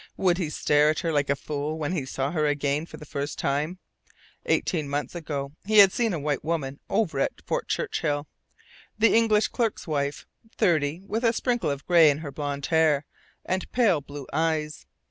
Would he stare at her like a fool when he saw her again for the first time? Eighteen months ago he had seen a white woman over at Fort Churchill the English clerk's wife, thirty, with a sprinkle of gray in her blond hair, and pale blue eyes.